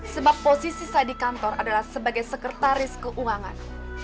sebab posisi saya di kantor adalah sebagai sekretaris keuangan